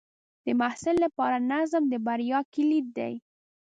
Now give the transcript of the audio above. د محصل لپاره نظم د بریا کلید دی.